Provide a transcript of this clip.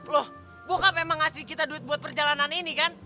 loh buka memang ngasih kita duit buat perjalanan ini kan